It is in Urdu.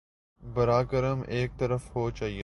براہ کرم ایک طرف ہو جایئے